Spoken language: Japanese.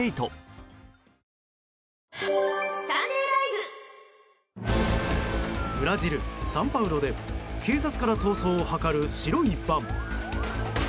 ブラジル・サンパウロで警察から逃走を図る白いバン。